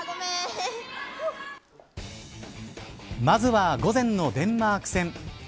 まずは午前のデンマーク戦。